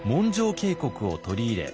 経国を取り入れ